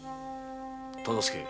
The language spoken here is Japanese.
忠相。